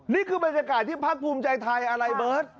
นี่คือบรรยากาศที่พักภูมิใจไทยอะไรเบิร์ต